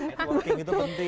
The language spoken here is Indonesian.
networking itu penting